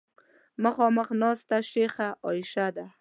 مخامخ ناسته شیخه عایشه ده.